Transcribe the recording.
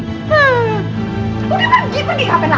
udah pergi pergi